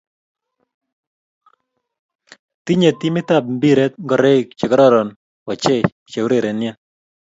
Tinye timit ab mpiret ngoroik che kororon ochi che urerien.